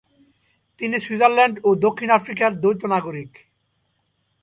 তিনি সুইজারল্যান্ড ও দক্ষিণ আফ্রিকার দ্বৈত নাগরিক।